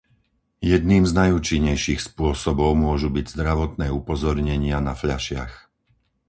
Jedným z najúčinnejších spôsobov môžu byť zdravotné upozornenia na fľašiach.